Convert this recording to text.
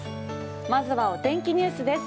まずはお天気ニュースです。